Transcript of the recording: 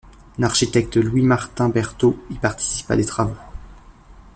L'architecte Louis-Martin Berthault y participe à des travaux.